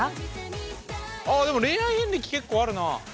あでも恋愛遍歴結構あるな。